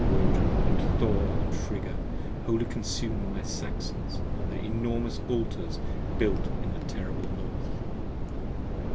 Woden and Thor and Friga wholly consume my Saxons, 20 On their enormous Altars built in the terrible north.